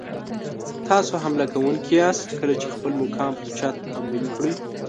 تاسو حمله کوونکي یاست کله چې خپل مقام پر چا تحمیل کړئ.